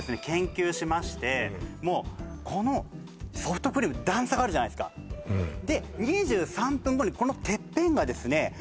研究しましてこのソフトクリーム段差があるじゃないですか２３分後にこのてっぺんがですね